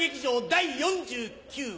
第４９話。